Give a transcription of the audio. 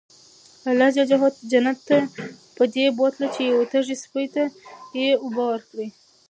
الله جنت ته پدې بوتله چې يو تږي سپي ته ئي اوبه ورکړي وي